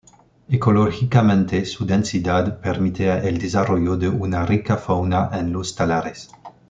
Ecológicamente su densidad permite el desarrollo de una rica fauna en los talares.